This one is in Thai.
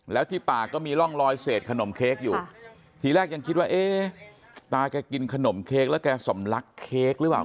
แล้วที่ปากก็มีร่องรอยเศษขนมเค้กอยู่ทีแรกยังคิดว่าเอ๊ะตาแกกินขนมเค้กแล้วแกสำลักเค้กหรือเปล่า